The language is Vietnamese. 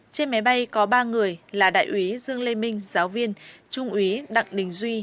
trên máy bay có ba người là đại úy dương lê minh giáo viên trung úy đặng đình duy